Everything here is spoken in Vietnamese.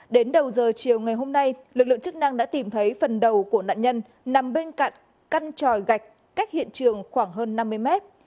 đến đầu giờ chiều ngày hôm nay lực lượng chức năng đã tìm thấy phần đầu của nạn nhân nằm bên cạnh căn tròi gạch cách hiện trường khoảng hơn năm mươi mét